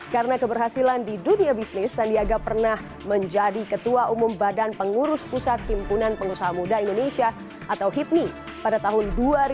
karena keberhasilan di dunia bisnis sandiaga pernah menjadi ketua umum badan pengurus pusat kimpunan pengusaha muda indonesia atau hipni pada tahun dua ribu lima belas dua ribu delapan belas